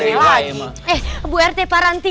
eh bu rt paranti